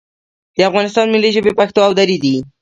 د افغانستان ملي ژبې پښتو او دري دي